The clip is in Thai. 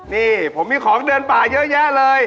นี่ผมมีของเดินป่าเยอะแยะเลย